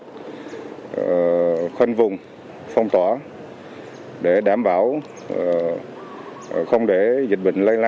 từ khi phát hiện ca nhiễm trong cộng đồng tại địa bàn thị xã ninh hòa